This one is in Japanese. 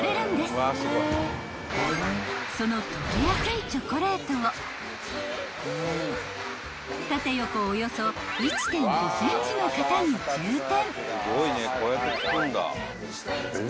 ［その溶けやすいチョコレートを縦横およそ１．５ｃｍの型に充填］